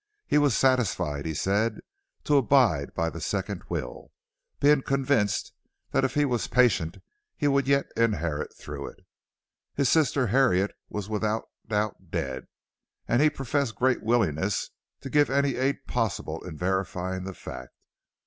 He was satisfied, he said, to abide by the second will, being convinced that if he were patient he would yet inherit through it. His sister Harriet was without doubt dead, and he professed great willingness to give any aid possible in verifying the fact.